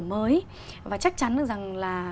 mới và chắc chắn được rằng là